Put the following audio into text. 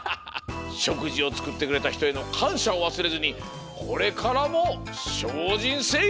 しょくじをつくってくれたひとへのかんしゃをわすれずにこれからもしょうじんせい！